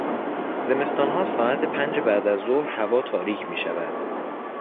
زمستانها ساعت پنج بعد از ظهر هوا تاریک میشود.